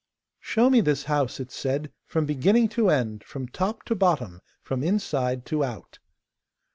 'Show me this house,' it said, 'from beginning to end, from top to bottom, from inside to out.